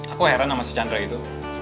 aku heran sama si chandra itu